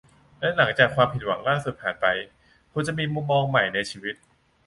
และหลังจากความผิดหวังล่าสุดผ่านไปคุณจะมีมุมมองใหม่กับชีวิต